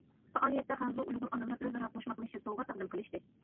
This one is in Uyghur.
پائالىيەتتە خەنزۇ، ئۇيغۇر ئانىلار ئۆزئارا قوشماقلىشىپ، سوۋغا تەقدىم قىلىشتى.